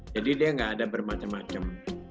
jadi dia enggak ada bermacam macam